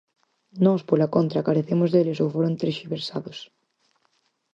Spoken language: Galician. Nós, pola contra, carecemos deles ou foron terxiversados.